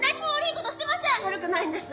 悪くないんです。